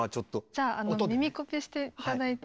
じゃあ耳コピして頂いて。